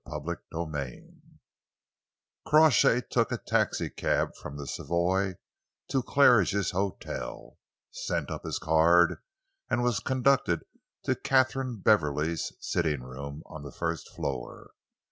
CHAPTER XVIII Crawshay took a taxicab from the Savoy to Claridge's Hotel, sent up his card and was conducted to Katharine Beverley's sitting room on the first floor.